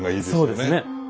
そうですね。